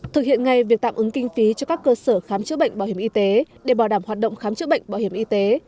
thực hiện ngay việc tạm ứng kinh phí cho các cơ sở khám chữa bệnh bảo hiểm y tế để bảo đảm hoạt động khám chữa bệnh bảo hiểm y tế